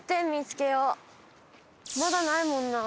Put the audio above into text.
まだないもんなお店。